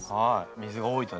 水が多いとね。